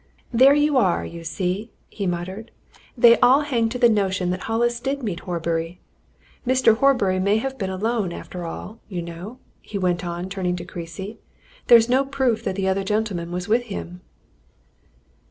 "There you are, you see!" he muttered. "They all hang to the notion that Hollis did meet Horbury! Mr. Horbury may have been alone, after all, you know," he went on, turning to Creasy. "There's no proof that the other gentleman was with him."